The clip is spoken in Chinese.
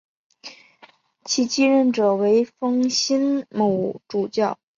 其继任者为封新卯主教。